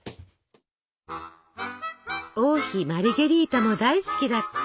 王妃マルゲリータも大好きだった